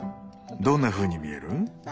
どんなふうに見える？